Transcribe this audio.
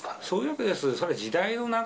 そういうわけです。